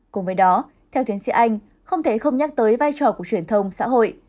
cùng với đó theo tiến sĩ anh không thể không nhắc tới vai trò của truyền thông xã hội